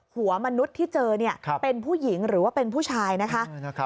หัวมนุษย์ที่เจอเป็นผู้หญิงหรือว่าเป็นผู้ชายนะคะ